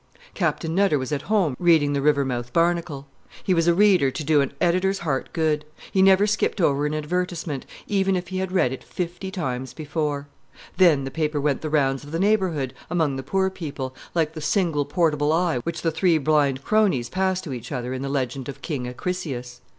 Captain Nutter was at home reading the Rivermouth Barnacle. He was a reader to do an editor's heart good; he never skipped over an advertisement, even if he had read it fifty times before. Then the paper went the rounds of the neighborhood, among the poor people, like the single portable eye which the three blind crones passed to each other in the legend of King Acrisius.